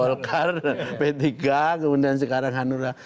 golkar p tiga kemudian sekarang hanura